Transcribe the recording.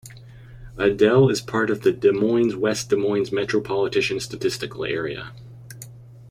Adel is part of the Des Moines-West Des Moines Metropolitan Statistical Area.